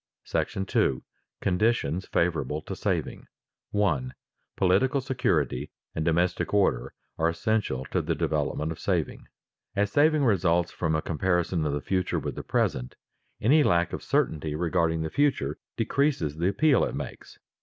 § II. CONDITIONS FAVORABLE TO SAVING [Sidenote: Political insecurity discourages saving] 1. Political security and domestic order are essential to the development of saving. As saving results from a comparison of the future with the present, any lack of certainty regarding the future decreases the appeal it makes.